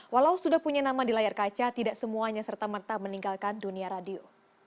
walau sudah punya nama di layar kaca tidak semuanya serta merta meninggalkan dunia radio